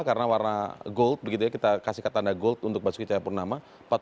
karena warna gold begitu ya kita kasihkan tanda gold untuk basuki cahapurnama